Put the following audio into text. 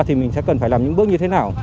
thì mình sẽ cần phải làm những bước như thế nào